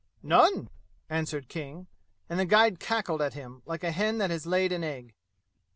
"None!" answered King, and the guide cackled at him, like a hen that has laid an egg.